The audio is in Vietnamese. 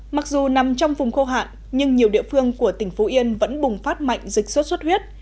mặc dù nằm trong vùng khô hạn nhưng nhiều địa phương của tỉnh phú yên vẫn bùng phát mạnh dịch sốt xuất huyết